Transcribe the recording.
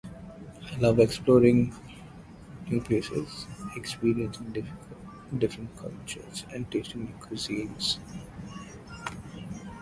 I love exploring new places, experiencing different cultures, and tasting new cuisines.